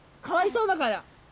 かわいそうだから。